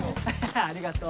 ありがとう。